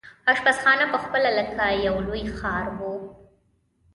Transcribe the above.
اشپزخانه پخپله لکه یو لوی ښار وو.